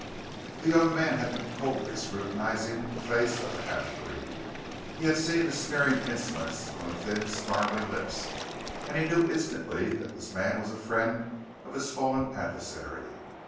The young man had been coldly scrutinizing the face of the half breed; he had seen a sneering insolence on the thin, snarling lips, and he knew instantly that this man was a friend of his fallen adversary.